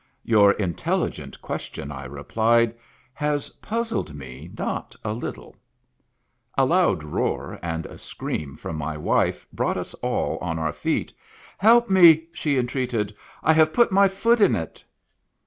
"Your intelligent question," I replied, "has puz zled me not a little." A loud roar, and a scream from my wife brought us all on our feet. " Help me !" she entreated, " I have put my foot in it."